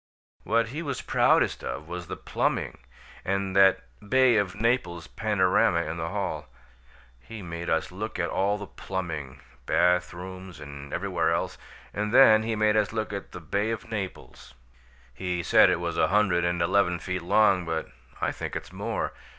What he was proudest of was the plumbing and that Bay of Naples panorama in the hall. He made us look at all the plumbing bath rooms and everywhere else and then he made us look at the Bay of Naples. He said it was a hundred and eleven feet long, but I think it's more.